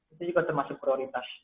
itu juga termasuk prioritas